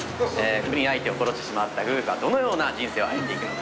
不倫相手を殺してしまった夫婦はどのような人生を歩んでいくのか。